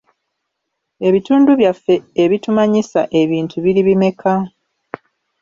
Ebitundu byaffe ebitumanyisa ebintu biri bimeka?